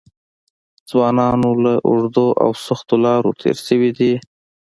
ځوانان له اوږدو او سختو لارو تېر شوي دي.